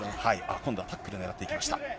今度はタックル狙っていきました。